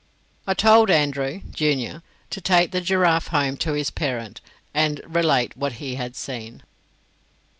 I told Andrew, junior, to take the giraffe home to his parent, and relate what he had seen.